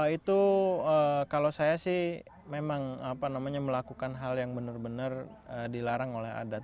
itu kalau saya sih memang melakukan hal yang benar benar dilarang oleh adat